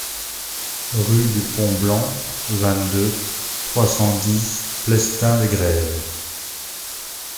Rue du Pont Blanc, vingt-deux, trois cent dix Plestin-les-Grèves